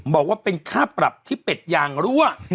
บอกว่าเป็นค่าปรับที่เป็ดยางรั่ว